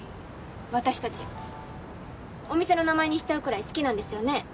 私達お店の名前にしちゃうくらい好きなんですよね